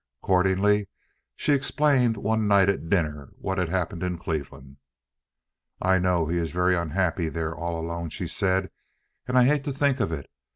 Accordingly, she explained one night at dinner what had happened in Cleveland. "I know he is very unhappy there all alone," she said, "and I hate to think of it.